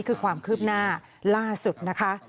คือความคืบหน้าล่าสุดนะคะ